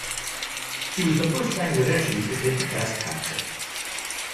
He was the first Bangladeshi to take a Test hat-trick.